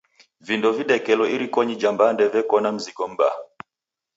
Vindo videkelo irikonyi ja mbande veko na mzingo m'baa.